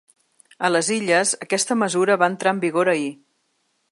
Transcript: A les Illes aquesta mesura va entrar en vigor ahir.